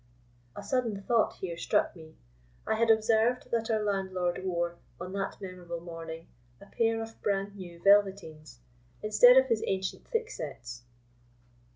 A sudden thought here struck me. I had observed that our landlord wore, on that memorable morning, a pair of bran new velveteens instead of his ancient thicksets.